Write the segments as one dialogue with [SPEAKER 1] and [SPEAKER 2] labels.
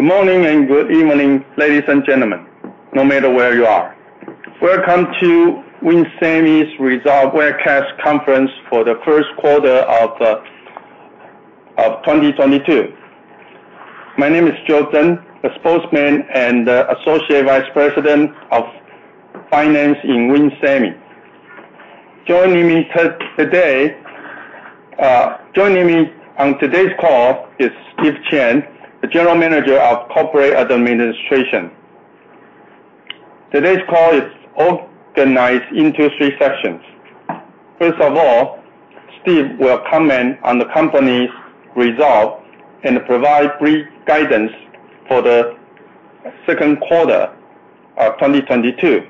[SPEAKER 1] Good morning and good evening, ladies and gentlemen, no matter where you are. Welcome to WIN Semi's results webcast conference for the first quarter of 2022. My name is Joe Tsen, the Spokesman and Associate Vice President of Finance in WIN Semi. Joining me on today's call is Steve Chen, the General Manager of Corporate Administration. Today's call is organized into three sections. First of all, Steve will comment on the company's results and provide brief guidance for the second quarter of 2022.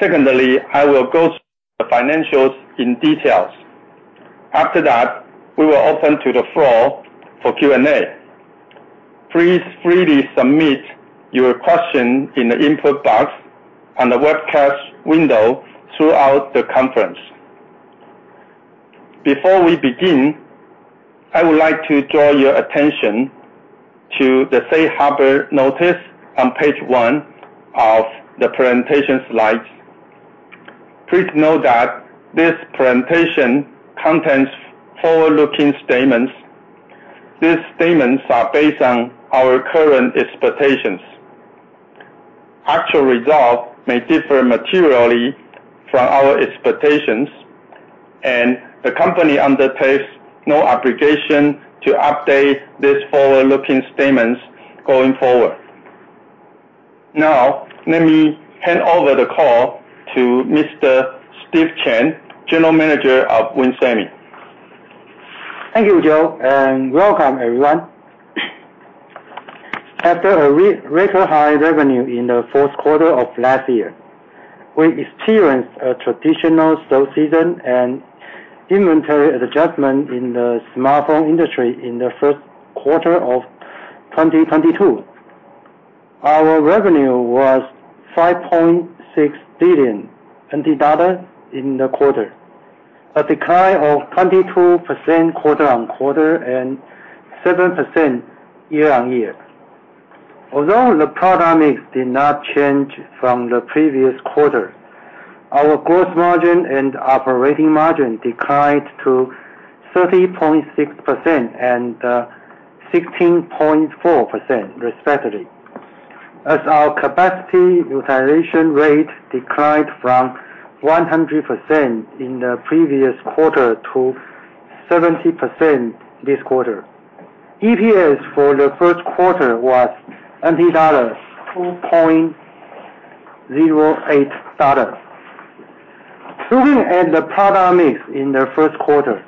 [SPEAKER 1] Secondly, I will go through the financials in detail. After that, we will open the floor for Q&A. Please freely submit your question in the input box on the webcast window throughout the conference. Before we begin, I would like to draw your attention to the safe harbor notice on page 1 of the presentation slides. Please note that this presentation contains forward-looking statements. These statements are based on our current expectations. Actual results may differ materially from our expectations, and the company undertakes no obligation to update these forward-looking statements going forward. Now, let me hand over the call to Mr. Steve Chen, General Manager of WIN Semi.
[SPEAKER 2] Thank you, Joe, and welcome everyone. After a record high revenue in the fourth quarter of last year, we experienced a traditional slow season and inventory adjustment in the smartphone industry in the first quarter of 2022. Our revenue was 5.6 billion NT dollars in the quarter, a decline of 22% quarter-over-quarter and 7% year-over-year. Although the product mix did not change from the previous quarter, our gross margin and operating margin declined to 30.6% and 16.4% Respectively, as our capacity utilization rate declined from 100% in the previous quarter to 70% this quarter. EPS for the first quarter was 2.08 dollars. Looking at the product mix in the first quarter.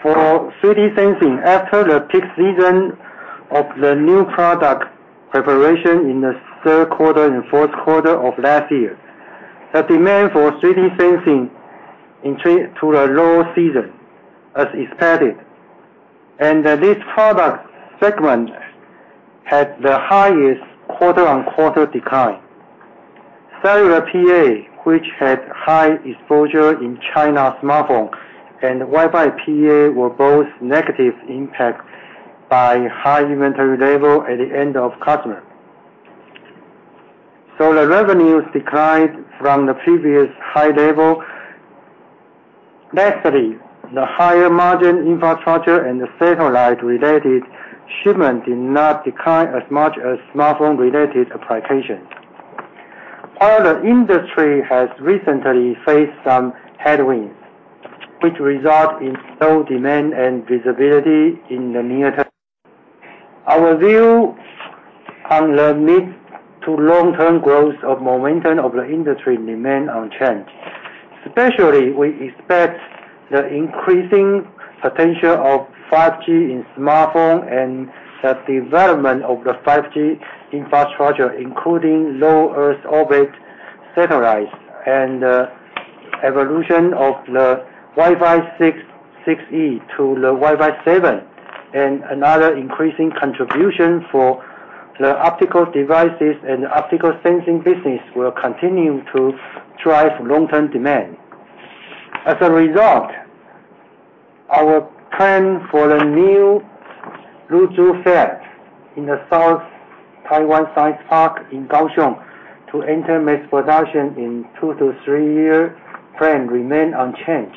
[SPEAKER 2] For 3D sensing, after the peak season of the new product preparation in the third quarter and fourth quarter of last year, the demand for 3D sensing entered the low season as expected. This product segment had the highest quarter-over-quarter decline. Cellular PA, which had high exposure in China smartphone and Wi-Fi PA were both negatively impacted by high inventory level at the end of customer. The revenues declined from the previous high level. Lastly, the higher margin infrastructure and the satellite related shipment did not decline as much as smartphone related applications. While the industry has recently faced some headwinds, which result in low demand and visibility in the near term, our view on the mid to long-term growth of momentum of the industry remain unchanged. Especially, we expect the increasing potential of 5G in smartphone and the development of the 5G infrastructure, including low earth orbit satellites and evolution of the Wi-Fi 6, 6E to the Wi-Fi 7 and another increasing contribution for the optical devices and optical sensing business will continue to drive long-term demand. As a result, our plan for the new Lujhu fab in the South Taiwan Science Park in Kaohsiung to enter mass production in a 2- to 3-year frame remains unchanged.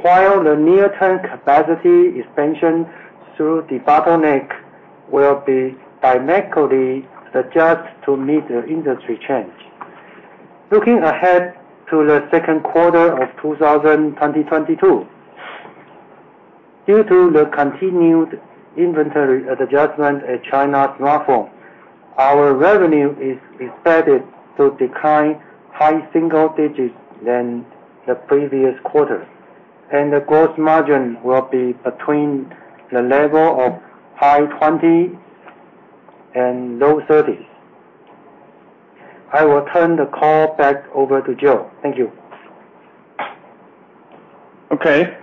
[SPEAKER 2] While the near-term capacity expansion through debottlenecking will be dynamically adjusted to meet the industry change. Looking ahead to the second quarter of 2022. Due to the continued inventory adjustment in Chinese smartphone, our revenue is expected to decline by high single-digits from the previous quarter, and the gross margin will be between the high 20s and low 30s%. I will turn the call back over to Joe. Thank you.
[SPEAKER 1] Okay.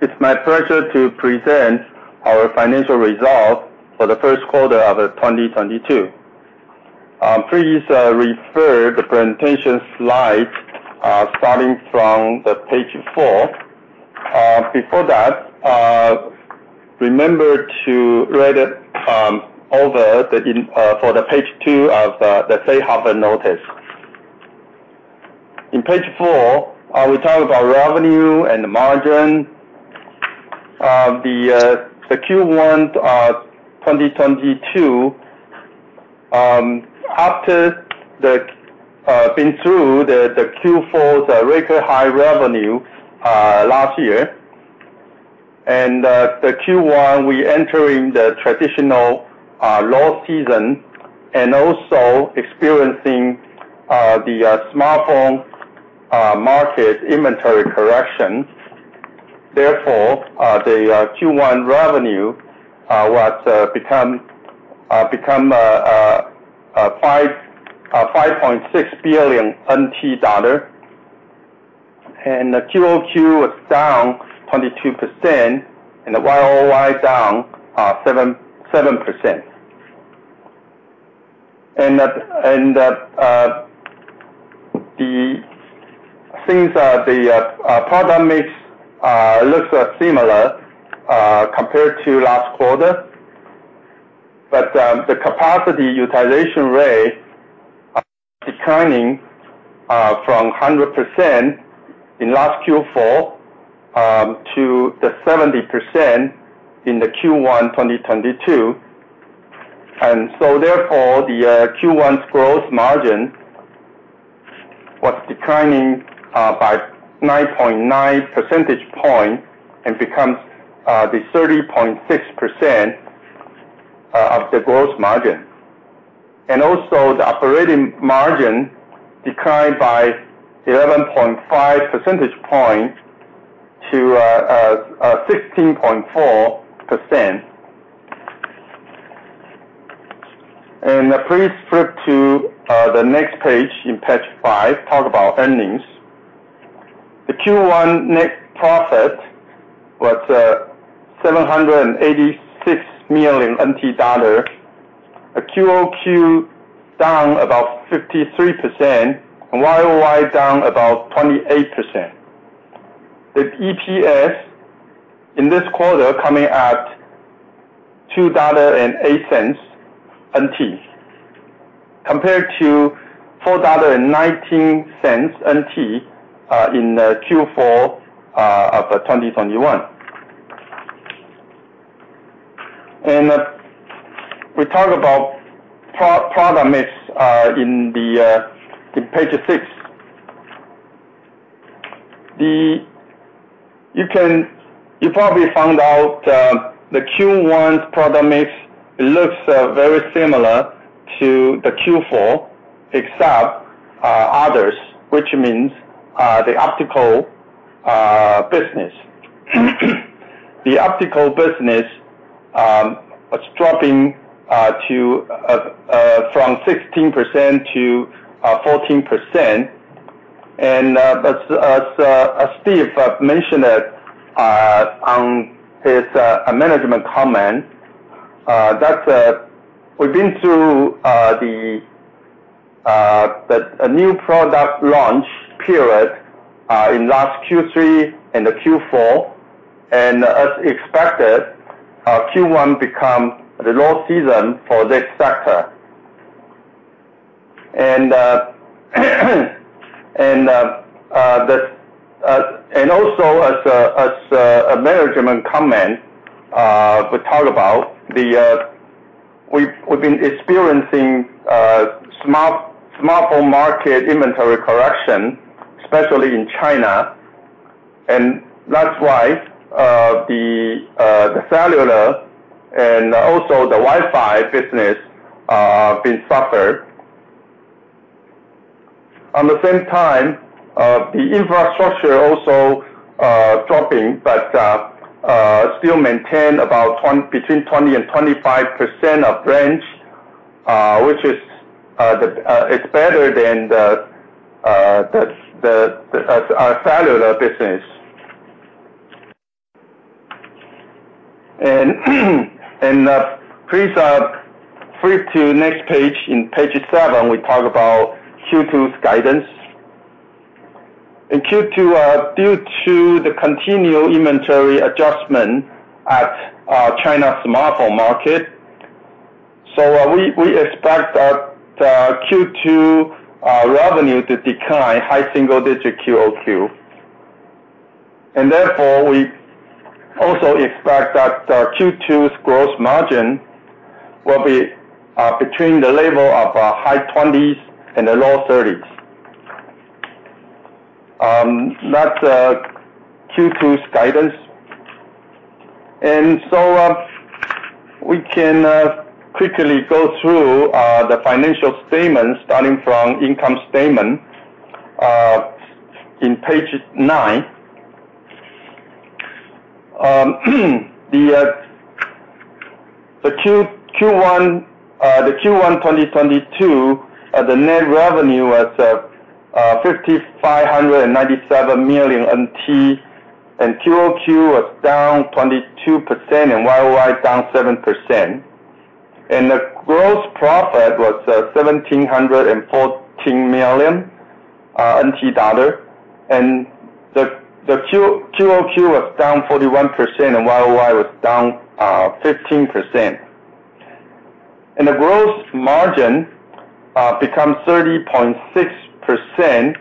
[SPEAKER 1] It's my pleasure to present our financial results for the first quarter of 2022. Please refer to the presentation slide starting from page 4. Before that, remember to read page 2 of the safe harbor notice. On page 4, we talk about revenue and the margin. The Q1 2022 after been through the Q4 record high revenue last year. The Q1 we entering the traditional low season and also experiencing the smartphone market inventory correction. Therefore, the Q1 revenue was 5.6 billion TWD. The QOQ was down 22% and the YOY down 7%. The things that the product mix looks similar compared to last quarter, but the capacity utilization rate declining from 100% in last Q4 to the 70% in the Q1 2022. Q1's gross margin was declining by 9.9 percentage point and becomes the 30.6% of the gross margin. The operating margin declined by 11.5 percentage point to 16.4%. Please flip to the next page, in page five, talk about earnings. The Q1 net profit was 786 million NT dollar. A QOQ down about 53% and YOY down about 28%. The EPS in this quarter coming at 2.08 dollar, compared to 4.19 dollar in the Q4 of 2021. We talk about product mix in page 6. You probably found out the Q1's product mix looks very similar to the Q4, except others, which means the optical business. The optical business was dropping from 16%-14%. But as Steve have mentioned it on his management comment that we've been through a new product launch period in last Q3 and the Q4. As expected, Q1 become the low season for this sector. also as a management comment, we've been experiencing smartphone market inventory correction, especially in China. That's why the cellular and also the Wi-Fi business been suffered. At the same time, the infrastructure also dropping, but still maintain about between 20 and 25% range, which is, it's better than the cellular business. Please flip to next page. On page 7, we talk about Q2's guidance. In Q2, due to the continued inventory adjustment in China smartphone market. We expect that Q2 revenue to decline high single digit QOQ. Therefore, we also expect that Q2's gross margin will be between the level of high twenties and the low thirties. That's Q2's guidance. We can quickly go through the financial statements starting from income statement in page 9. The Q1 2022 net revenue was 5,597 million NT. QOQ was down 22% and YOY down 7%. The gross profit was 1,714 million NT dollar. The QOQ was down 41% and YOY was down 15%. The gross margin became 30.6%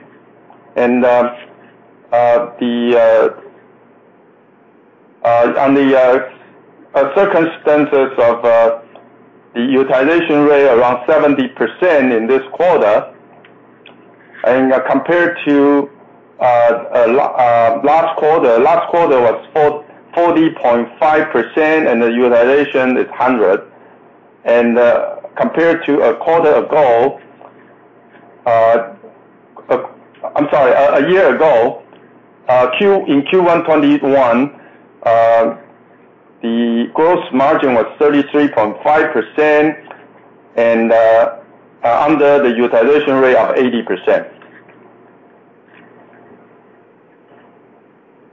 [SPEAKER 1] under the circumstances of the utilization rate around 70% in this quarter and compared to last quarter, last quarter was 40.5% and the utilization is 100%. Compared to a year ago, in Q1 2021, the gross margin was 33.5% and under the utilization rate of 80%.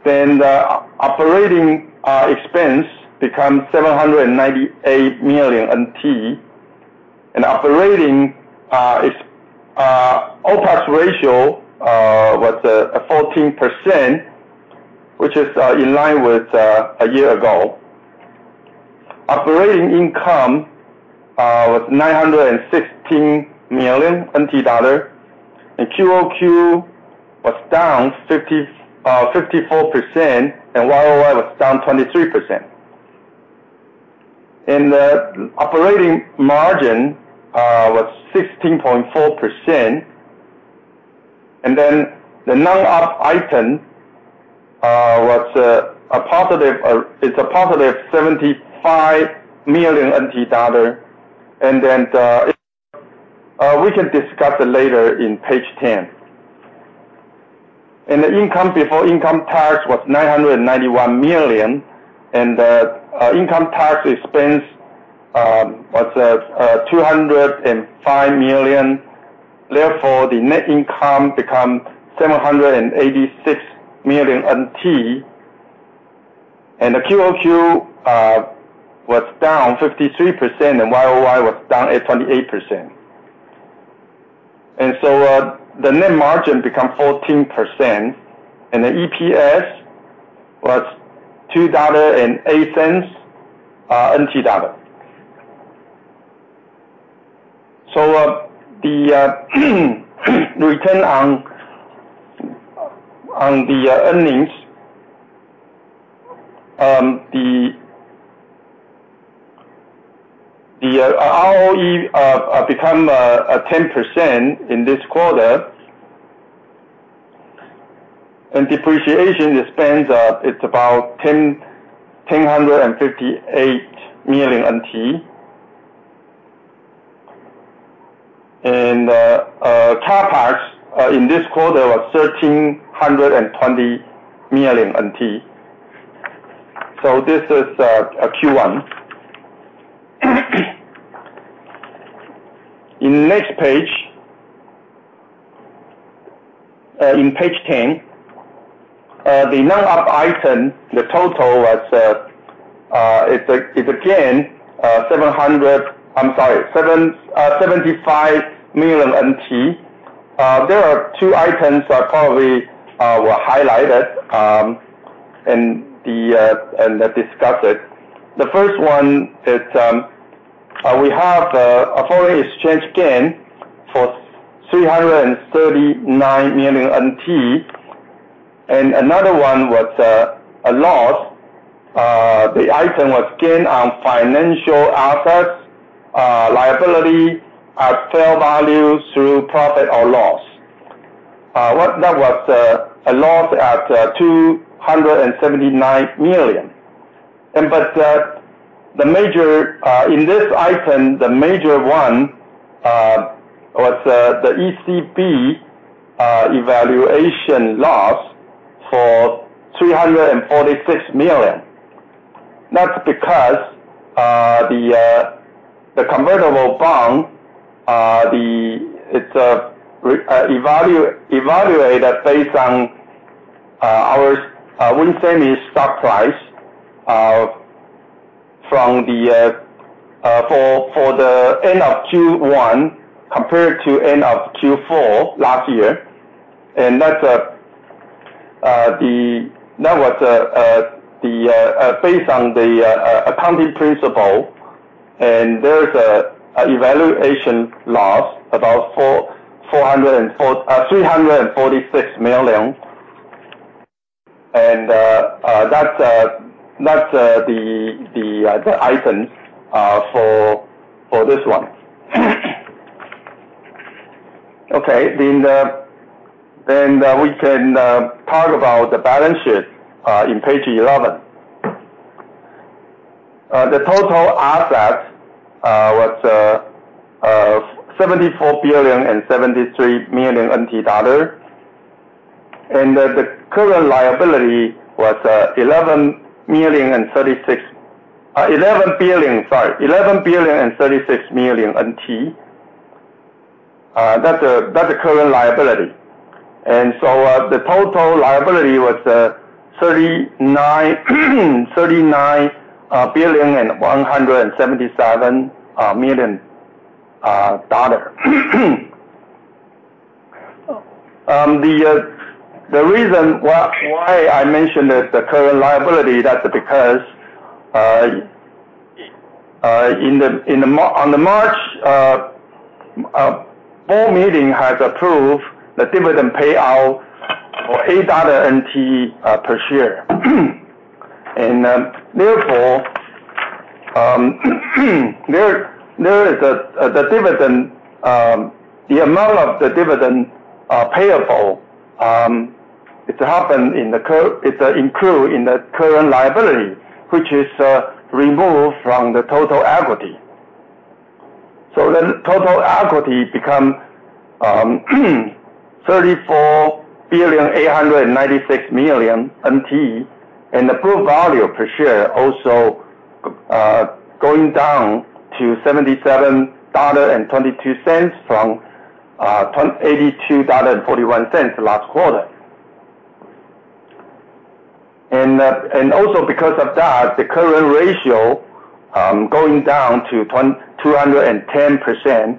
[SPEAKER 1] The operating expense became TWD 798 million. The OPEX ratio was at 14%, which is in line with a year ago. Operating income was 916 million NT dollar, QOQ down 54% and YOY down 23%. The operating margin was 16.4%. The non-op item was a positive TWD 75 million and we can discuss it later on page 10. Income before income tax was 991 million, and income tax expense was 205 million. Therefore, the net income become 786 million NT. QOQ was down 53% and YOY was down 28%. The net margin become 14% and the EPS was TWD 2.08. The return on equity, the ROE become 10% in this quarter. Depreciation expense, it's about TWD 1,058 million. CapEx in this quarter was 1,320 million NT. This is Q1. In next page, in page 10, the non-op item, the total was, it's again, I'm sorry, 75 million NT. There are two items that probably were highlighted, and discussed it. The first one is, we have a foreign exchange gain for 339 million NT. Another one was a loss, the item was gain on financial assets and liability at fair value through profit or loss. That was a loss at 279 million. The major one in this item was the ECB valuation loss for 346 million. That's because the convertible bond is evaluated based on our WIN Semi stock price from the end of Q1 compared to end of Q4 last year. That was based on the accounting principle. There's a valuation loss of TWD 346 million. That's the item for this one. Okay, we can talk about the balance sheet in page 11. The total assets was 74 billion and 73 million. The current liability was 11 billion and 36 million. That's the current liability. The total liability was TWD 39.177 billion. The reason why I mentioned this, the current liability, that's because in the March board meeting has approved the dividend payout of TWD 8 per share. Therefore, there is the dividend, the amount of the dividend payable, it include in the current liability, which is removed from the total equity. Total equity become 34.896 billion, and the book value per share also going down to 77.22 dollar from 82.41 dollar last quarter. The current ratio going down to 210%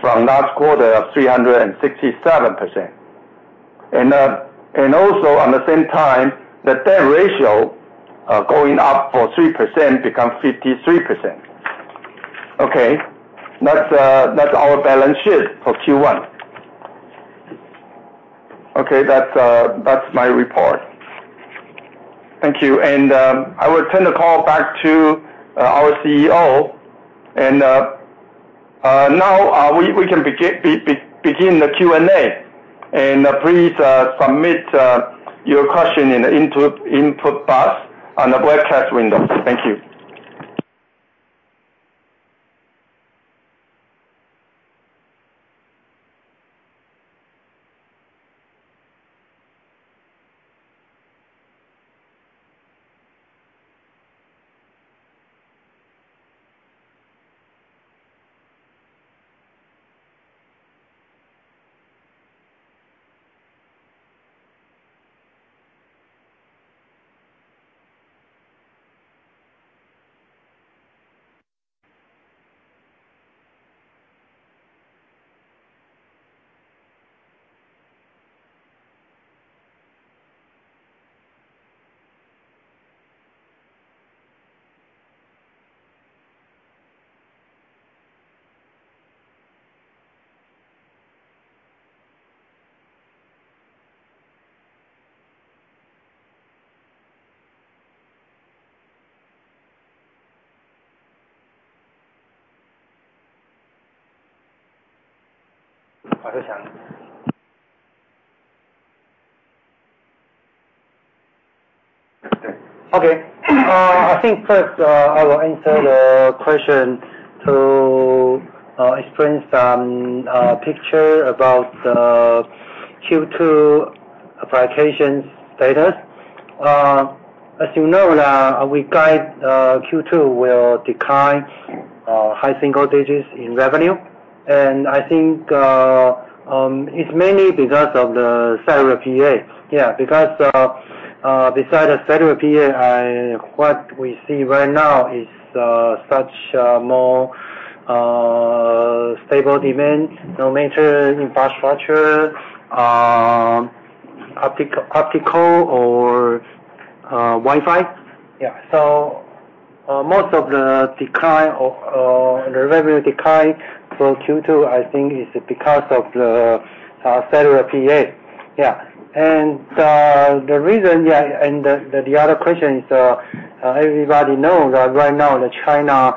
[SPEAKER 1] from last quarter of 367%. also at the same time, the debt ratio going up by 3%, become 53%. Okay? That's our balance sheet for Q1. Okay. That's my report. Thank you. I will turn the call back to our CEO. now, we can begin the Q&A. please, submit your question in the input box on the webcast window. Thank you.
[SPEAKER 2] Okay. I think first, I will answer the question to explain some picture about the Q2 applications status. as you know that we guide Q2 will decline high single digits in revenue. I think it's mainly because of the cellular PA. Because besides the cellular PA, what we see right now is much more stable demand, no major infrastructure, optical or Wi-Fi. Most of the decline or the revenue decline for Q2, I think is because of the cellular PA. The reason and the other question is everybody know that right now the China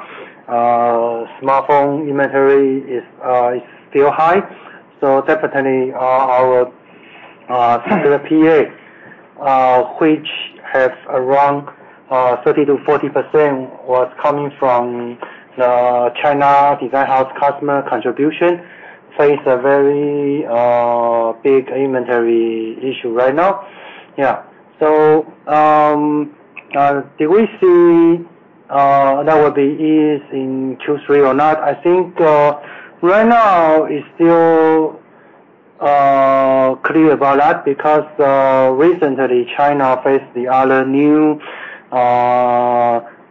[SPEAKER 2] smartphone inventory is still high. So definitely our cellular PA, which has around 30%-40% was coming from the China design house customer contribution, face a very big inventory issue right now. Did we see that would be ease in Q3 or not? I think right now it's still clear about that because recently China faced the other new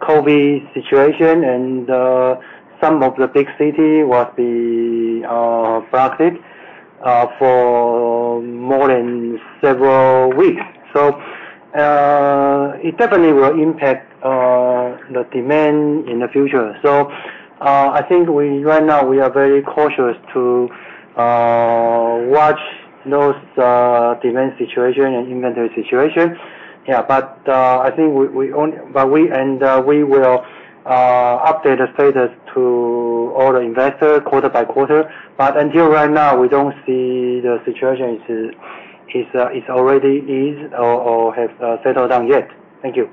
[SPEAKER 2] COVID situation, and some of the big city was be blocked for more than several weeks. It definitely will impact the demand in the future. I think right now we are very cautious to watch those demand situation and inventory situation. Yeah. I think we will update the status to all the investors quarter by quarter. Until right now, we don't see the situation is already eased or have settled down yet. Thank you.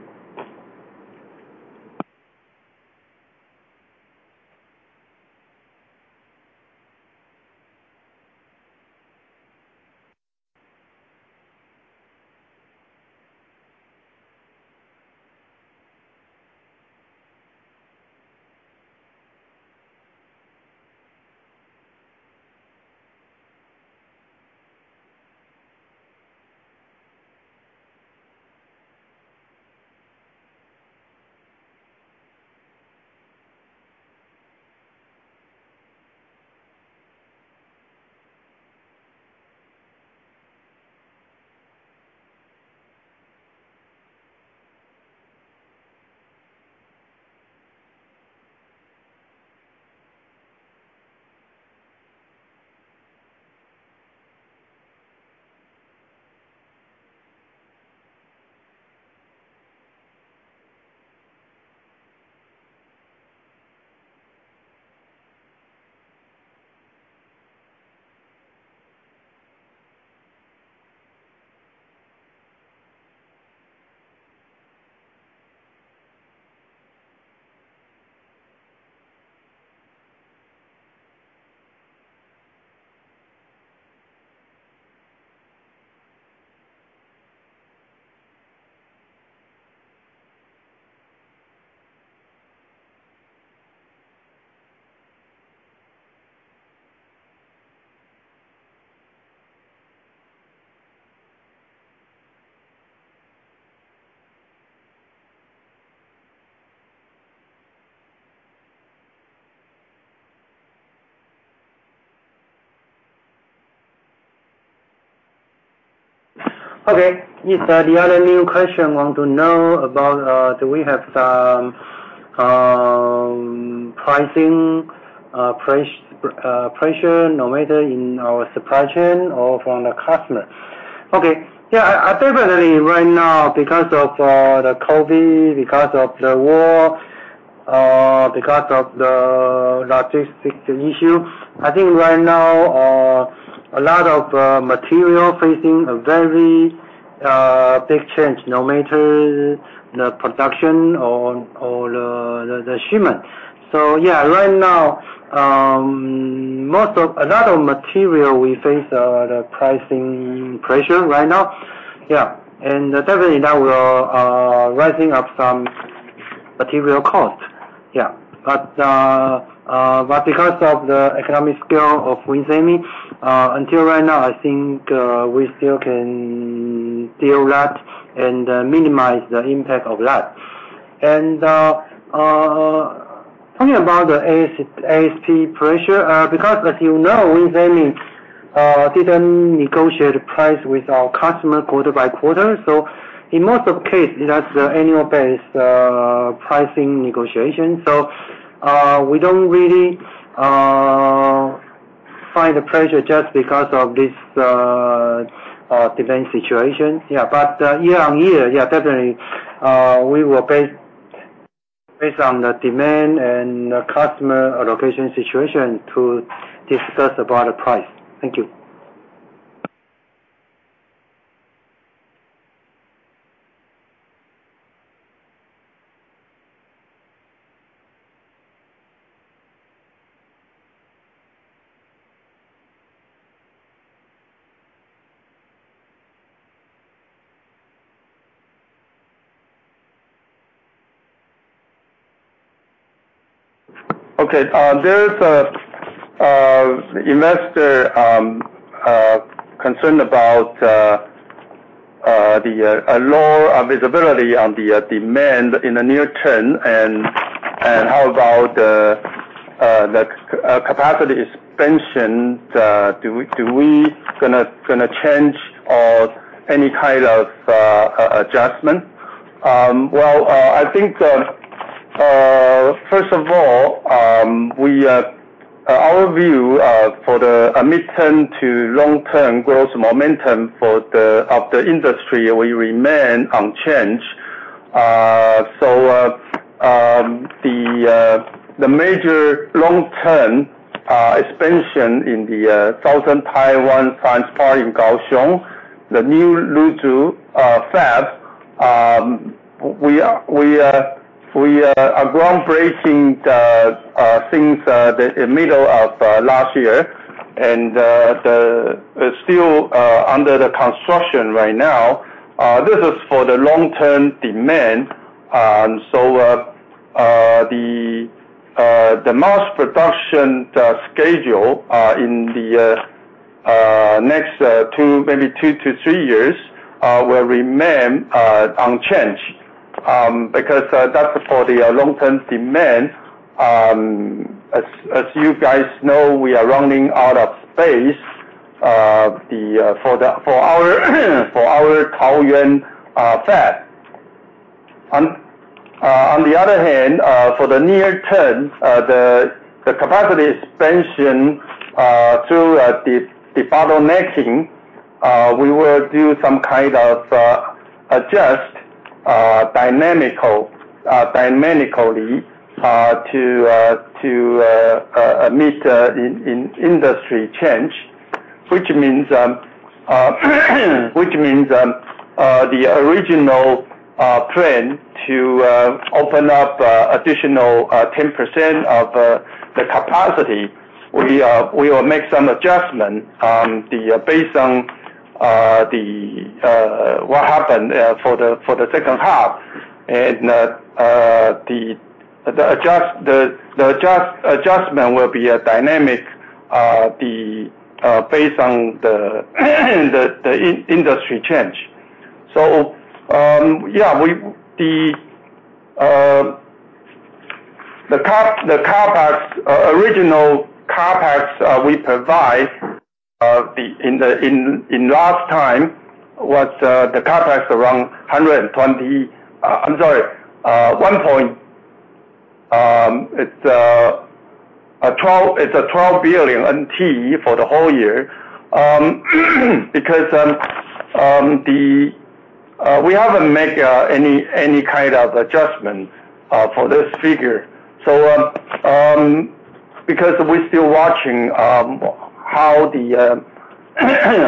[SPEAKER 2] Okay. Yes, sir. The other new question want to know about, do we have some pricing pressure, no matter in our supply chain or from the customer? Okay. Yeah, I definitely right now because of the COVID, because of the war, because of the logistics issue, I think right now, a lot of material facing a very big change, no matter the production or the shipment. Yeah, right now, a lot of material we face the pricing pressure right now. Yeah. Definitely now we are rising up some material costs. Yeah. Because of the economic scale of WIN Semi, until right now, I think we still can deal that and minimize the impact of that. Talking about the ASP pressure, because as you know, WIN Semi didn't negotiate price with our customer quarter by quarter, so in most cases that's annual basis pricing negotiation. We don't really find the pressure just because of this demand situation. Yeah. Year-over-year, yeah, definitely, we based on the demand and the customer allocation situation to discuss about the price. Thank you.
[SPEAKER 1] Okay. There is an investor concerned about the low visibility on the demand in the near term, and how about the capacity expansion, do we gonna change or any kind of adjustment? Well, I think that first of all, our view for the mid-term to long-term growth momentum of the industry, we remain unchanged. The major long-term expansion in the southern Taiwan Science Park in Kaohsiung, the new Lujhu fab, we broke ground in the middle of last year, and it is still under construction right now. This is for the long-term demand. The mass production schedule in the next 2, maybe 2-3 years will remain unchanged because that's for the long-term demand. As you guys know, we are running out of space for our Taoyuan fab. On the other hand, for the near term, the capacity expansion through the bottlenecking, we will do some kind of adjust dynamically to meet industry change. Which means the original plan to open up additional 10% of the capacity. We will make some adjustment based on what happened for the second half. The adjustment will be dynamic based on the industry change. The original CapEx we provide in last time was 12 billion TWD for the whole year. Because we haven't made any kind of adjustment for this figure. Because we're still watching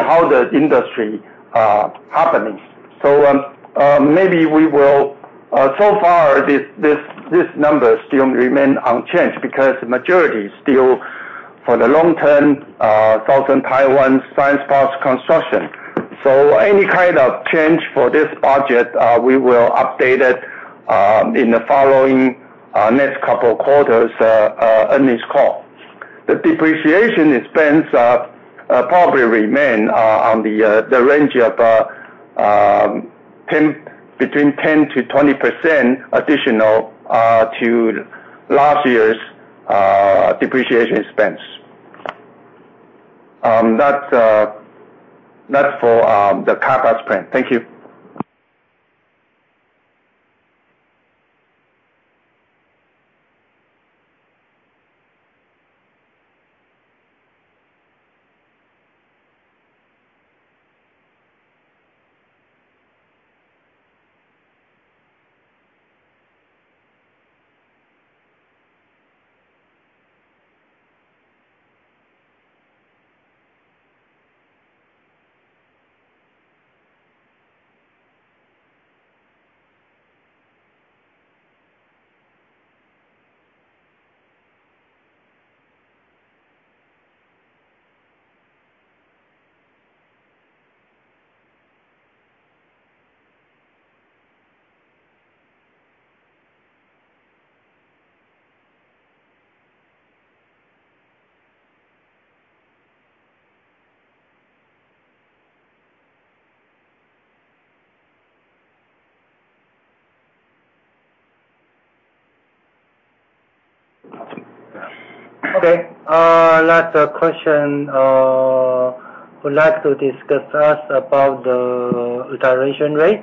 [SPEAKER 1] how the industry happening. Maybe we will so far this number still remain unchanged because majority still for the long term Southern Taiwan Science Park construction. Any kind of change for this budget, we will update it in the following next couple quarters earnings call. The depreciation expense probably remain on the range of between 10%-20% additional to last year's depreciation expense. That's for the CapEx plan. Thank you.
[SPEAKER 2] Okay. Last question, would like to discuss with us about the utilization rate.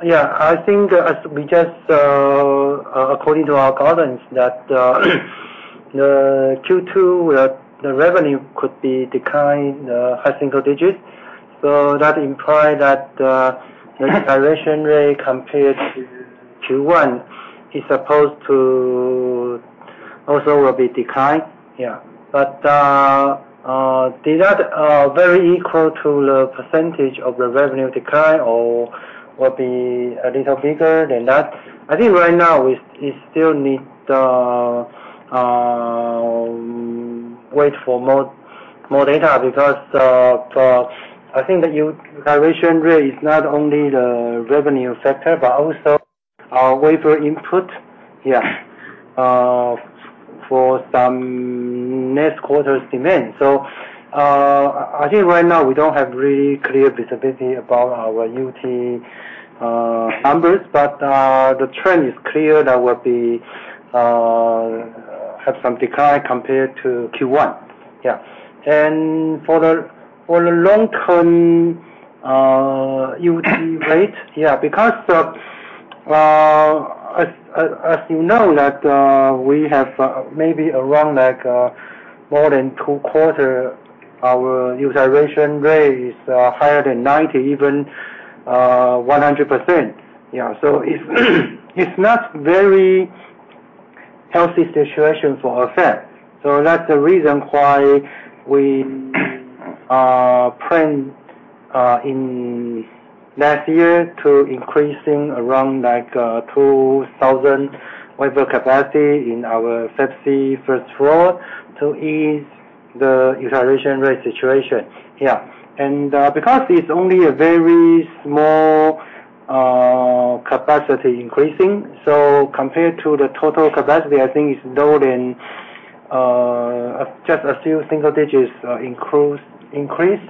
[SPEAKER 2] I think according to our guidance that the Q2 revenue could decline high single digits. That implies that the utilization rate compared to Q1 is supposed to also decline. Does that equal the percentage of the revenue decline or will be a little bigger than that? I think right now we still need wait for more data because I think the utilization rate is not only the revenue factor, but also our wafer input for some next quarter's demand. I think right now we don't have really clear visibility about our UT numbers, but the trend is clear that would be have some decline compared to Q1. Yeah. For the long term UT rate, yeah, because as you know that we have maybe around like more than 2 quarter, our utilization rate is higher than 90, even 100%. You know, it's not very healthy situation for the fab. That's the reason why we plan in last year to increasing around, like, 2000 wafer capacity in our Fab C first floor to ease the utilization rate situation. Yeah. Because it's only a very small capacity increasing, so compared to the total capacity, I think it's lower than just a few single digits increase.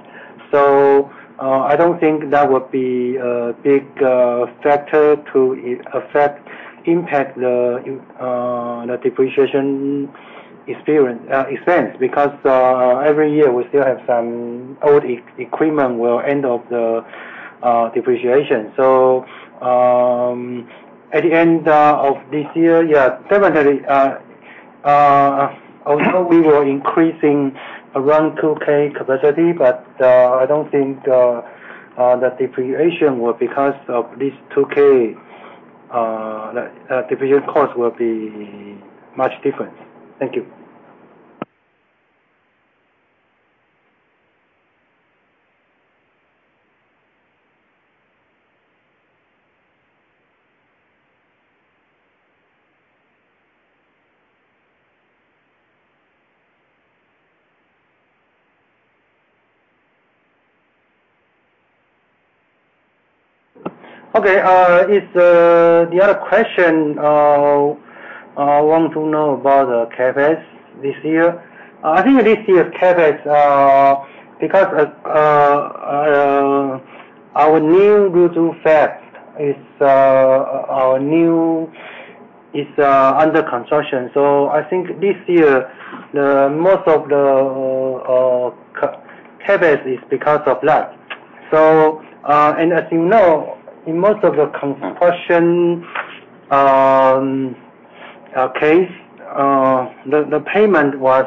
[SPEAKER 2] I don't think that would be a big factor to affect impact the depreciation expense, because every year we still have some old equipment will end of the depreciation. At the end of this year, yeah, definitely, although we were increasing around 2K capacity, but I don't think the depreciation would because of this 2K the depreciation cost will be much different. Thank you. Is the other question want to know about the CapEx this year. I think this year's CapEx because our new Lujhu fab is our new. It's under construction. I think this year, the most of the CapEx is because of that. As you know, in most of the construction case, the payment was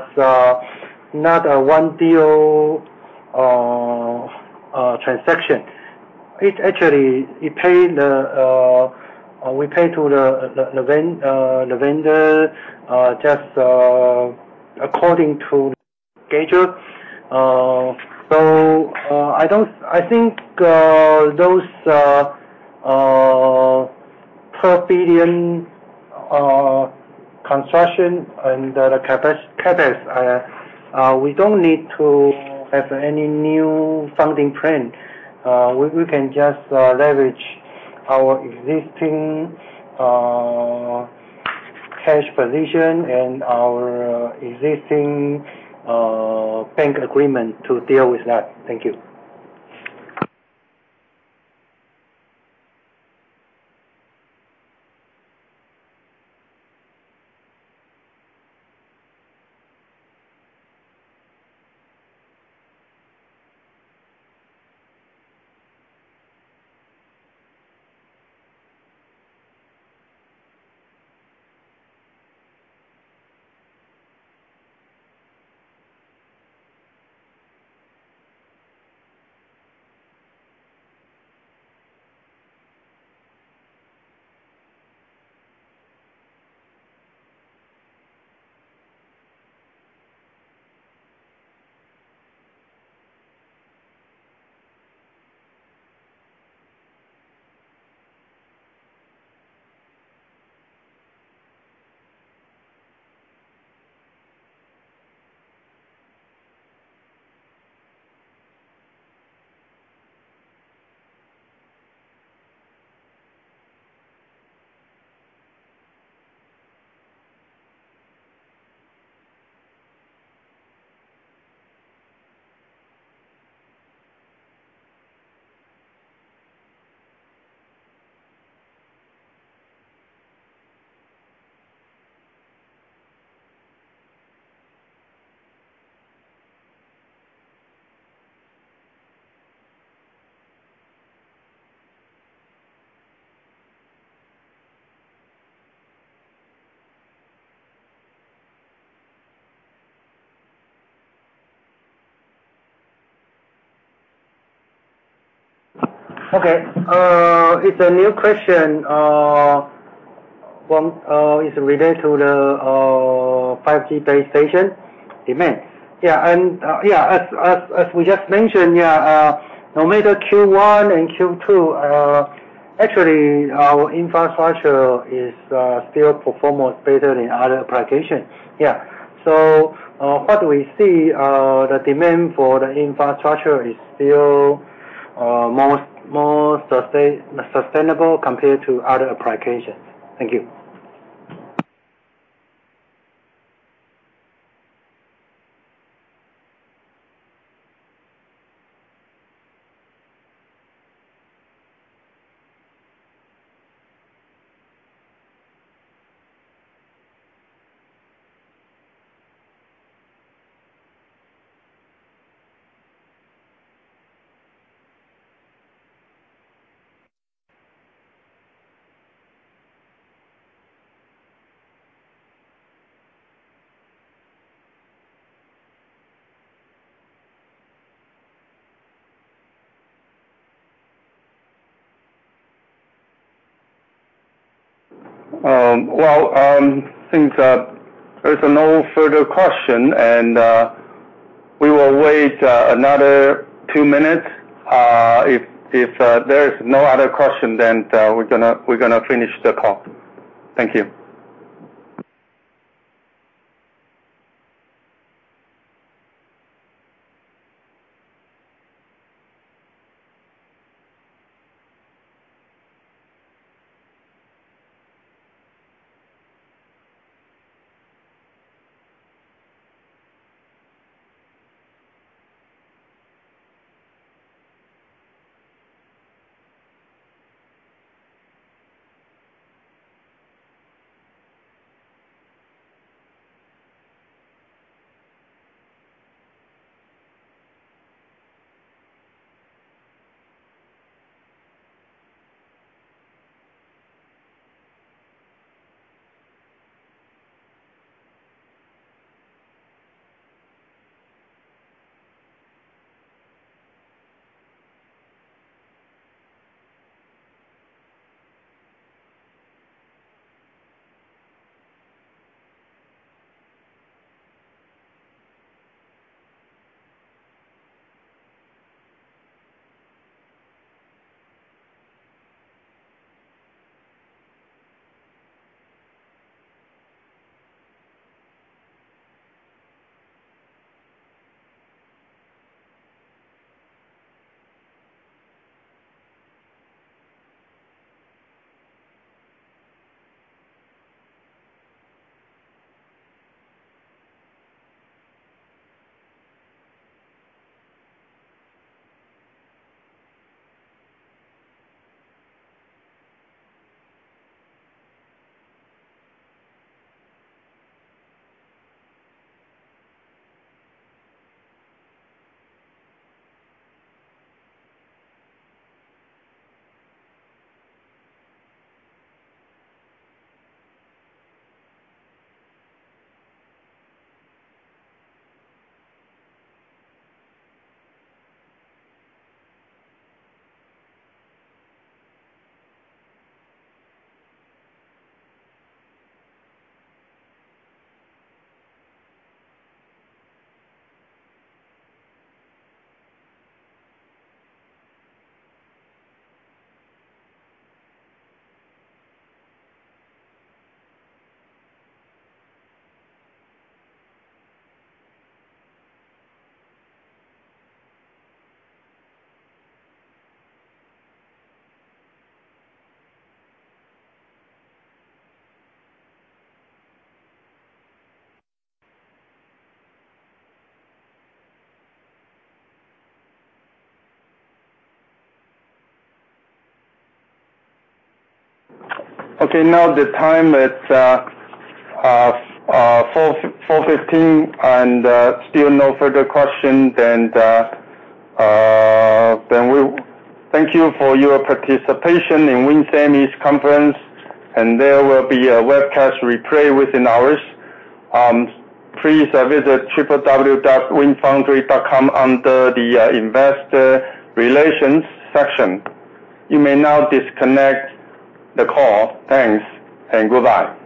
[SPEAKER 2] not a one deal transaction. It actually, we pay to the vendor just according to stage. I don't think those per billion construction and the CapEx we don't need to have any new funding plan. We can just leverage our existing cash position and our existing bank agreement to deal with that. Thank you. Okay. It's a new question from is related to the 5G base station demand. As we just mentioned, no matter Q1 and Q2, actually our infrastructure is still perform more better than other applications. What we see, the demand for the infrastructure is still more sustainable compared to other applications. Thank you.
[SPEAKER 1] Well, since there's no further question, and we will wait another two minutes. If there is no other question, then we're gonna finish the call. Thank you. Okay. Now the time is 4:15, and still no further question, then we thank you for your participation in WIN Semi's conference, and there will be a webcast replay within hours. Please visit www.winfoundry.com under the Investor Relations section. You may now disconnect the call. Thanks and goodbye.